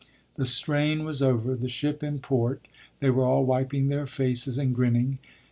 The strain was over, the ship in port they were all wiping their faces and grinning.